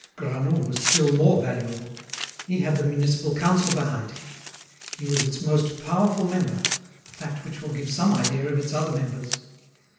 Granoux was still more valuable; he had the Municipal Council behind him: he was its most powerful member, a fact which will give some idea of its other members.